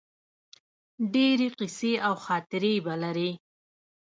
ډیرې قیصې او خاطرې به لرې